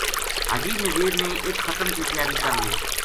حاجی نزیر نے اِت ختم کی تیار ی کر لئی